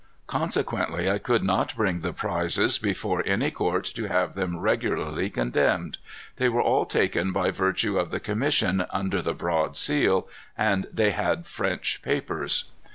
Consequently I could not bring the prizes before any court to have them regularly condemned. They were all taken by virtue of the commission, under the Broad Seal, and they had French papers."